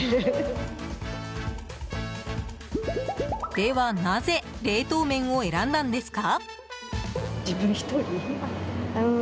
では、なぜ冷凍麺を選んだんですか？